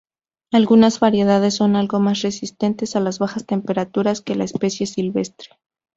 Algunas variedades son algo más resistentes a las bajas temperaturas que la especie silvestre.